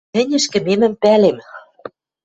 Мӹнь ӹшкӹмемӹм пӓлем.